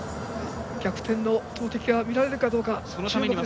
逆転の投てきが見られるかどうか注目です。